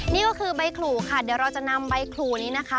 นี่ก็คือใบขู่ค่ะเดี๋ยวเราจะนำใบขู่นี้นะคะ